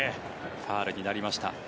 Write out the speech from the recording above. ファウルになりました。